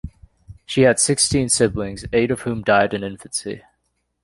She had sixteen siblings, eight of whom died in infancy.